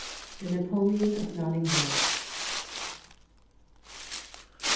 ' The Napoleon of Notting Hill.'